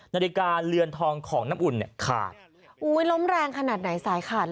นาฬิกาเรือนทองของน้ำอุ่นเนี่ยขาดอุ้ยล้มแรงขนาดไหนสายขาด